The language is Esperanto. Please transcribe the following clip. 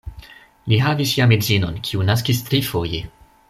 Li havis jam edzinon, kiu naskis trifoje.